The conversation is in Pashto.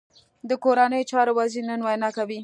د کورنیو چارو وزیر نن وینا کوي